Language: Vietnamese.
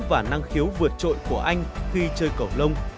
và năng khiếu vượt trội của anh khi chơi cầu lông